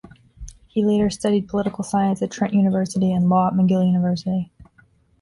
He later studied political science at Trent University, and law at McGill University.